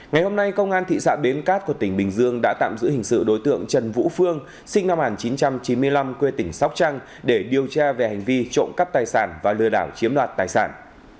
ngày hôm nay công an thị xã bến cát của tỉnh bình dương đã tạm giữ hình sự đối tượng trần vũ phương sinh năm một nghìn chín trăm chín mươi năm quê tỉnh sóc trăng để điều tra về hành vi trộm cắp tài sản và lừa đảo chiếm đoạt tài sản